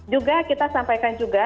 juga kita sampaikan juga